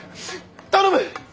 頼む！